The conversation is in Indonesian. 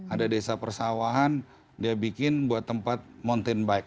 ada desa persawahan dia bikin buat tempat mountain bike